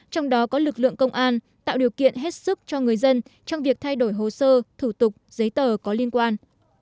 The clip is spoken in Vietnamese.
trong đó có lực lượng công an tạo điều kiện hết sức cho người dân trong việc thay đổi hồ sơ thủ tục giấy tờ có liên quan